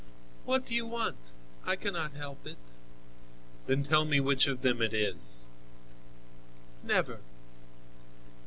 "What do you want? I cannot help it." "Then tell me which of them it is." "Never."